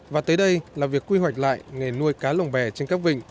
và tới đây là việc quy hoạch lại nghề nuôi cá lồng bè trên các vịnh